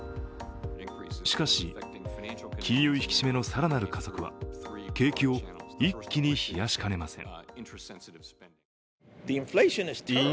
しかし、金融引き締めのさらなる加速は景気を一気に冷やしかねません。